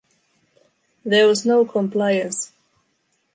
There was no compliance.